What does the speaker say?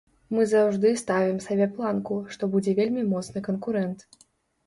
Мы заўжды ставім сабе планку, што будзе вельмі моцны канкурэнт.